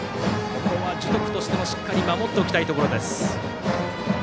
ここは樹徳としてもしっかり守っておきたいところ。